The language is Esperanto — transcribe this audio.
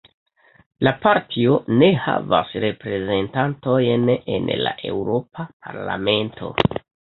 La partio ne havas reprezentantojn en la Eŭropa Parlamento.